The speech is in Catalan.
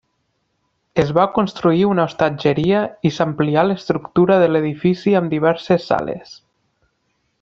Es va construir una hostatgeria i s'amplià l'estructura de l'edifici amb diverses sales.